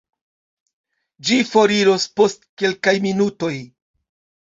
Ĝi foriros post kelkaj minutoj.